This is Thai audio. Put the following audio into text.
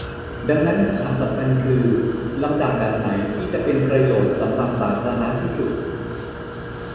ดังนั้นคำถามสำคัญคือ ลำดับแบบไหนที่จะเป็นประโยชน์กับสาธารณะที่สุด